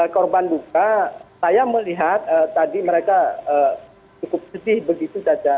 korban luka saya melihat tadi mereka cukup sedih begitu caca